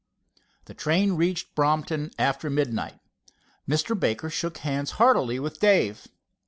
The train reached Brompton after midnight. Mr. Baker shook hands heartily with Dave.